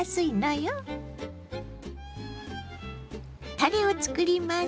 たれをつくります。